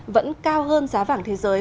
vẫn cao hơn giá vàng thế giới